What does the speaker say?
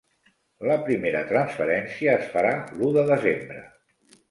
La primera transferència es farà l'u de desembre.